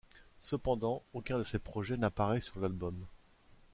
Cependant, aucun de ces projets n'apparaît sur l'album.